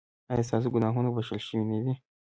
ایا ستاسو ګناهونه بښل شوي نه دي؟